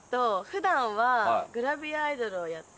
普段はグラビアアイドルをやっていて。